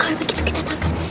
kalau begitu kita tangkap